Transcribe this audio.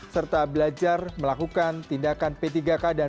serta belajar melakukan tindakan p tiga k dan penggunaan alat pemadam